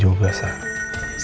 longer aja tuh orangnya